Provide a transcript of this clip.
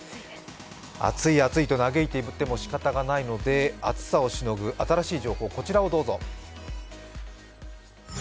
暑い暑いと嘆いていてもしかたがないので、暑さをしのぐ新しい情報、こちらをどうぞ。